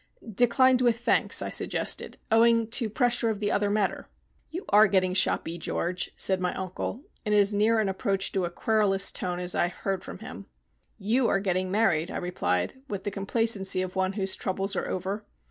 "Declined with thanks," I suggested, "owing to pressure of other matter." "You are getting shoppy, George," said my uncle, in as near an approach to a querulous tone as I have heard from him. "You are getting married," I replied, with the complacency of one whose troubles are over.